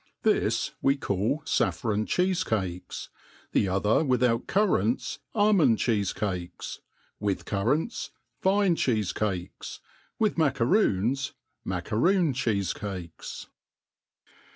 This we call faffron cheefecakes ; the other without currants, almond cheefecakes; with currants, fine cheefe cakes ; with mackeroons, mackeroon cheefecakes.